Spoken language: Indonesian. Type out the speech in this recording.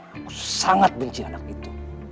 aku sangat benci anak itu